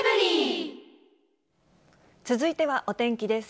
続いてはお天気です。